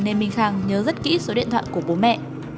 nên minh khang nhớ rất kỹ số điện thoại của bố mẹ